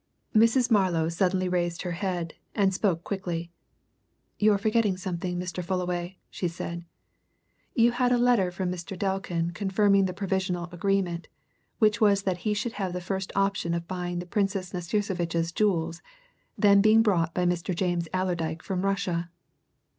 Mrs. Marlow suddenly raised her head, and spoke quickly. "You're forgetting something, Mr. Fullaway," she said. "You had a letter from Mr. Delkin confirming the provisional agreement, which was that he should have the first option of buying the Princess Nastirsevitch's jewels, then being brought by Mr. James Allerdyke from Russia."